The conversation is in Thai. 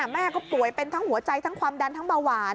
แม่ก็ป่วยเป็นทั้งหัวใจทั้งความดันทั้งเบาหวาน